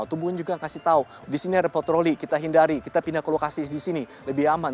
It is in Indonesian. atau mungkin juga kasih tahu disini ada patroli kita hindari kita pindah ke lokasi disini lebih aman